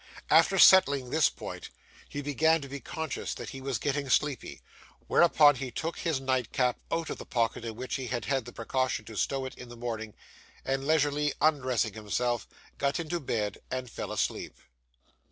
After settling this point, he began to be conscious that he was getting sleepy; whereupon he took his nightcap out of the pocket in which he had had the precaution to stow it in the morning, and, leisurely undressing himself, got into bed and fell asleep.